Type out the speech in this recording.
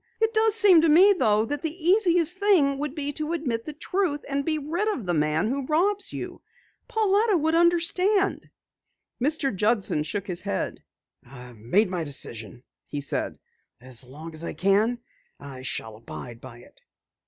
"It does seem to me, though, that the easiest thing would be to admit the truth and be rid of the man who robs you. Pauletta would understand." Mr. Judson shook his head. "I have made my decision," he said. "As long as I can, I shall abide by it."